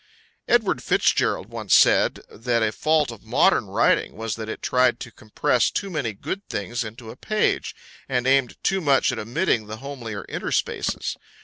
Edward FitzGerald once said that a fault of modern writing was that it tried to compress too many good things into a page, and aimed too much at omitting the homelier interspaces.